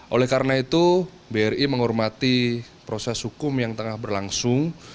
oleh karena itu bri menghormati proses hukum yang tengah berlangsung